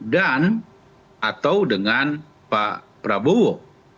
dan atau dengan pak prabowo